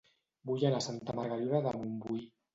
Vull anar a Santa Margarida de Montbui